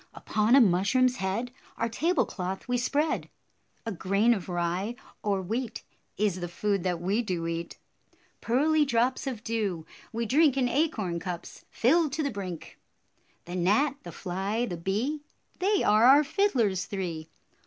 Upon a mushroom's head Our table cloth we spread. A grain of rye or wheat Is the food that we do eat. Pearly drops of dew we drink In acorn cups filled to the brink. 87 The gnat, the fly, the bee, They are our fiddlers three.